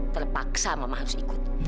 terpaksa mama harus ikut